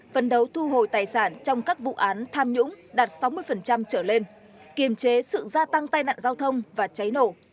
phấn đấu thu hồi tài sản trong các vụ án tham nhũng đạt sáu mươi trở lên kiềm chế sự gia tăng tai nạn giao thông và cháy nổ